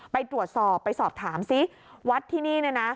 ไปตรวจสอบไปสอบถามซิวัดที่นี่เนี่ยนะ